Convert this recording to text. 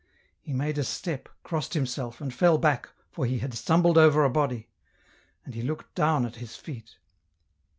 He made a step, crossed himself, and fell back, for he had stumbled over a body ; and he looked down at his feet.